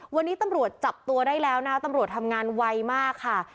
วันนี้ตำรวจจับตัวได้แล้วนะคะตำรวจทำงานไวมากค่ะ